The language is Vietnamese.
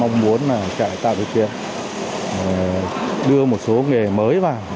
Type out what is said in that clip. mong muốn là trại tạo được tiện đưa một số nghề mới vào